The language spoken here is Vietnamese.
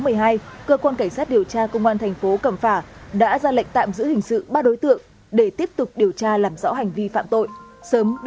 ngày một một mươi hai cơ quan cảnh sát điều tra công an thành phố cẩm phả đã ra lệnh tạm giữ hình sự ba đối tượng để tiếp tục điều tra làm rõ hành vi phạm tội sớm đưa ra xét xử trước pháp luật